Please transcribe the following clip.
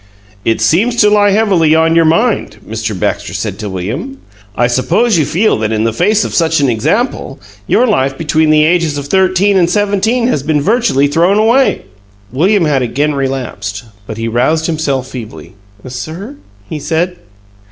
"It seems to lie heavily on your mind," Mr. Baxter said to William. "I suppose you feel that in the face of such an example, your life between the ages of thirteen and seventeen has been virtually thrown away?" William had again relapsed, but he roused himself feebly. "Sir?" he said.